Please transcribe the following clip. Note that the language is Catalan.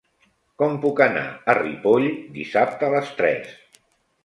Com puc anar a Ripoll dissabte a les tres?